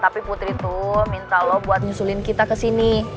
tapi putri tuh minta lo buat nyusulin kita kesini